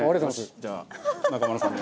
じゃあ中丸さんに。